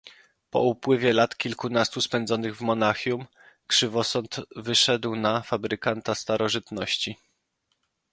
"Po upływie lat kilkunastu spędzonych w Monachium, Krzywosąd wyszedł na fabrykanta starożytności."